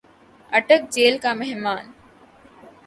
اٹک jail کا مہمان